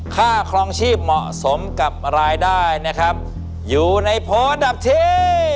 ครองชีพเหมาะสมกับรายได้นะครับอยู่ในโพสต์อันดับที่